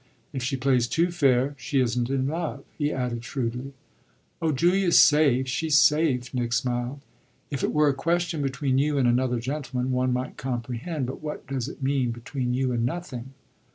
If she plays too fair she isn't in love," he added shrewdly. "Oh, Julia's safe she's safe," Nick smiled. "If it were a question between you and another gentleman one might comprehend. But what does it mean, between you and nothing?"